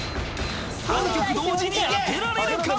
３曲同時に当てられるか？